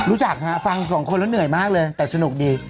รู้จักฮะฟังสองคนแล้วเหนื่อยมากเลยแต่สนุกดี